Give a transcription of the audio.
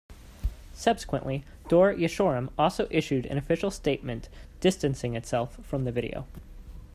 Subsequently Dor Yeshorim also issued an official statement distancing itself from the video.